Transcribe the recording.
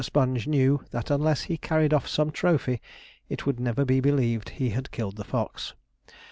Sponge knew that unless he carried off some trophy, it would never be believed he had killed the fox.